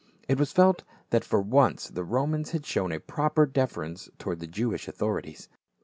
It was felt that for once the Romans had shown a proper deference toward the Jewish authorities.